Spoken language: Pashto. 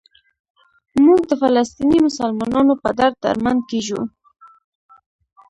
موږ د فلسطیني مسلمانانو په درد دردمند کېږو.